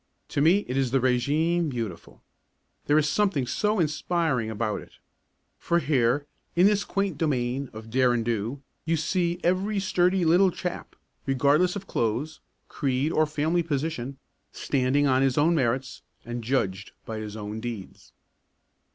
To me it is the régime beautiful. There is something so inspiring about it! For here, in this quaint domain of dare and do, you see every sturdy little chap, regardless of clothes, creed or family position, standing on his own merits and judged by his own deeds.